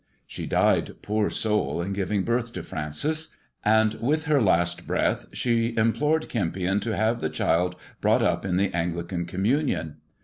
She died, poor soul, in giving birth to Francis, and with her last breath she implored Kempion to have the child brought up in the Anglican communion.